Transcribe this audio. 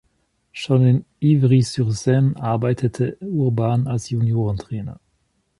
Schon in Ivry-sur-Seine arbeitete Urban als Juniorentrainer.